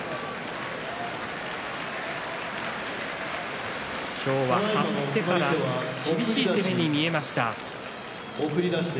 拍手今日は立ち合いから厳しい攻めに見えました。